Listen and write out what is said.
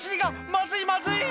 まずいまずい！